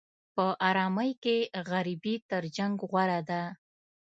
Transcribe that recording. په ارامۍ کې غریبي تر جنګ غوره ده.